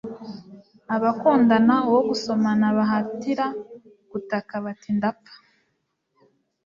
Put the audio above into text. Abakundana uwo gusomana bahatira gutaka bati Ndapfa